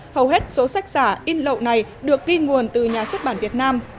hầu hết số sách giả in lậu này được ghi nguồn từ nhà xuất bản việt nam